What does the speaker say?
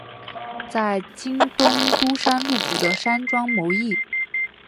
在京都东山鹿谷的山庄谋议。